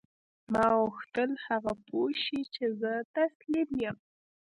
ما غوښتل هغه پوه شي چې زه تسلیم یم